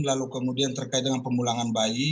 lalu kemudian terkait dengan pemulangan bayi